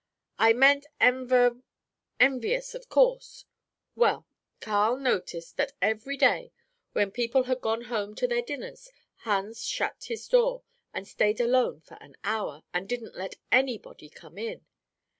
I meant enver envious, of course. Well, Carl noticed that every day when people had gone home to their dinners, Hans shut his door, and stayed alone for an hour, and didn't let anybody come in.